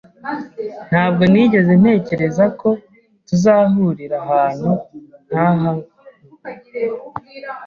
Ntabwo nigeze ntekereza ko tuzahurira ahantu nkahantu.